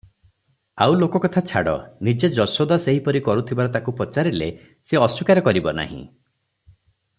ଆଉ ଲୋକକଥା ଛାଡ଼, ନିଜେ ଯଶୋଦା ସେହିପରି କରୁଥିବାର ତାକୁ ପଚାରିଲେ ସେ ଅସ୍ୱୀକାର କରିବନାହିଁ ।